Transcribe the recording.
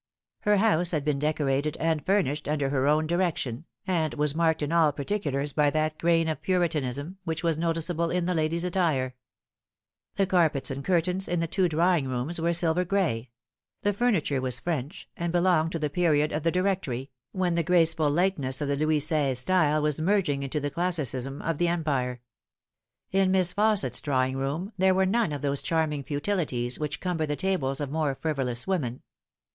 Her house had been decorated and furnished under her own direction, and was marked in all particulars by that grain of Puritanism which was noticeable in the lady's attire. The carpets and curtains in the two dra whig rooms were silver gray ; the funiture was French and belonged to the period of the Directory, when the graceful lightness of the Louis Seize style was merging into the classicism of the Empire. In Miss Fausset'a drawing room there were none of those charming futilities which cumber the tables of more frivolous women.